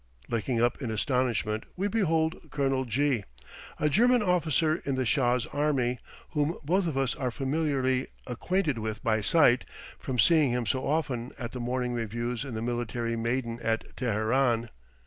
Looking up in astonishment, we behold Colonel G , a German officer in the Shah's army, whom both of us are familiarly acquainted with by sight, from seeing him so often at the morning reviews in the military maiden at Teheran.